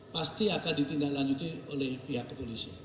pasti akan ditindak lanjuti oleh pihak kepolisian